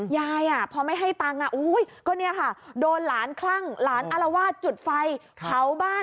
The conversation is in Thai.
ยายพอไม่ให้ตังค์โดนหลานคลั่งหลานอลวาดจุดไฟเทาบ้าน